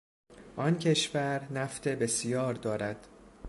آن کشور نفت بسیار دارد.